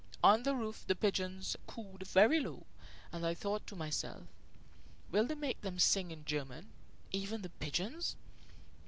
On the roof the pigeons cooed very low, and I thought to myself: "Will they make them sing in German, even the pigeons?"